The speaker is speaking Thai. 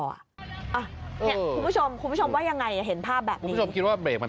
นี่คุณผู้ชมคุณผู้ชมว่ายังไงเห็นภาพแบบนี้